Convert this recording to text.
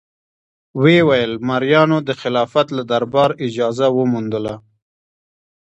ویې ویل: مریانو د خلافت له دربار اجازه وموندله.